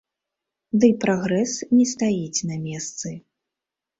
Дый прагрэс не стаіць на месцы.